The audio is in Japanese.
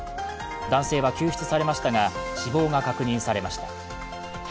男性は救出されましたが死亡が確認されました。